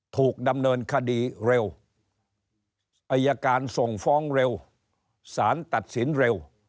ถูกดำเนินคดีเร็วอายการส่งฟ้องเร็วสารตัดสินเร็ว